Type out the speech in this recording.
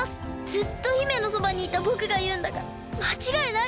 ずっと姫のそばにいたぼくがいうんだからまちがいないです。